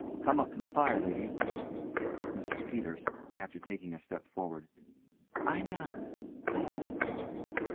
Come up to the fire, ladies. MRS PETERS: (after taking a step forward) I'm not cold.